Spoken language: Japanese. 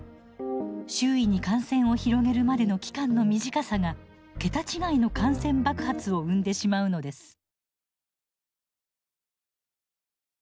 周囲に感染を広げるまでの期間の短さが桁違いの感染爆発を生んでしまうのです。